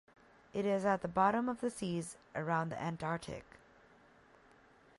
It is at the bottom of the seas, around the Antarctic.